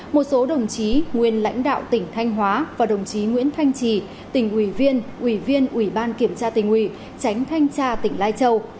một số đồng chí nguyên lãnh đạo tỉnh thanh hóa và đồng chí nguyễn thanh trì tỉnh ủy viên ủy viên ủy ban kiểm tra tỉnh ủy tránh thanh tra tỉnh lai châu